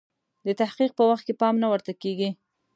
د تحقیق په وخت کې پام نه ورته کیږي.